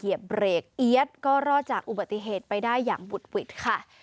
เบรกเอี๊ยดก็รอดจากอุบัติเหตุไปได้อย่างบุดหวิดค่ะ